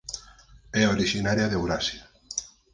É orixinaria de Eurasia.